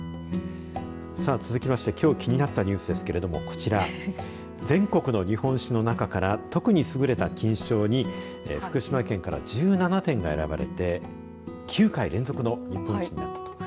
続きまして、きょう気になったニュースですけれどもこちら全国の日本酒の中から特に優れた金賞に福島県から１７点が選ばれて９回連続の日本一になったと。